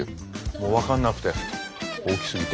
もう分かんなくて大きすぎて。